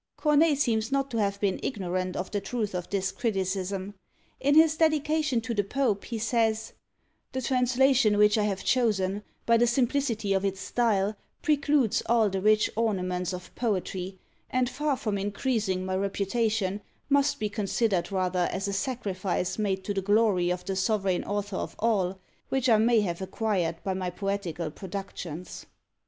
Corneille seems not to have been ignorant of the truth of this criticism. In his dedication to the Pope, he says, "The translation which I have chosen, by the simplicity of its style, precludes all the rich ornaments of poetry, and far from increasing my reputation, must be considered rather as a sacrifice made to the glory of the Sovereign Author of all, which I may have acquired by my poetical productions."